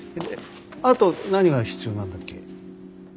あと何が必要なんだっけ？